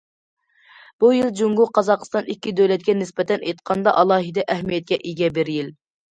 بۇ يىل جۇڭگو، قازاقىستان ئىككى دۆلەتكە نىسبەتەن ئېيتقاندا ئالاھىدە ئەھمىيەتكە ئىگە بىر يىل.